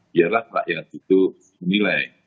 biarlah rakyat itu menilai